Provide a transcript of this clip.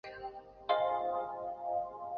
不会生活，你就没有人生